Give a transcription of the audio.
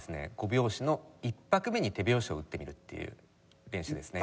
５拍子の１拍目に手拍子を打ってみるっていう練習ですね。